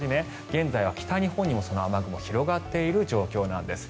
現在は北日本にもその雨雲が広がっている状況です。